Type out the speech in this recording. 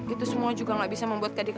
itu semua juga gak bisa membuat kak dika